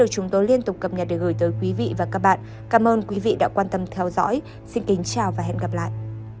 cảm ơn các bạn đã theo dõi và hẹn gặp lại